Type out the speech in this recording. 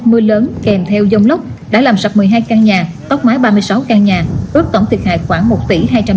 mưa lớn kèm theo giông lóc đã làm sập một mươi hai căn nhà tóc mái ba mươi sáu căn nhà ước tổng thiệt hại khoảng một tỷ